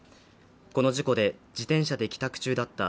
この事故で自転車で帰宅中だった